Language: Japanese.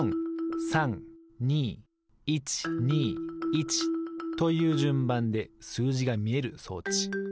この４３２１２１というじゅんばんですうじがみえる装置。